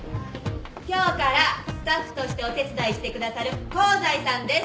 今日からスタッフとしてお手伝いしてくださる香西さんです。